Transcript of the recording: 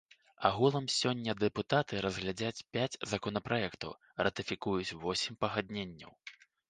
Агулам сёння дэпутаты разгледзяць пяць законапраектаў, ратыфікуюць восем пагадненняў.